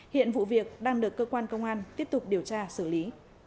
hiện vụ việc đang được cơ quan công an tiếp tục điều tra xử lý